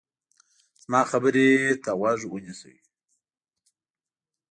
زما خبرې ته غوږ ونیسئ.